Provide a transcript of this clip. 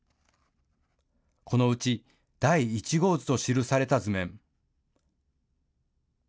このうち第一号図と記された図面。